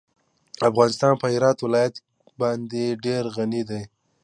افغانستان په هرات ولایت باندې ډېر غني دی.